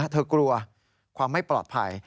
เธอกลัวความไม่ปลอดภัย